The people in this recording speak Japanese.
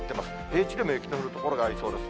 平地でも雪の降る所がありそうです。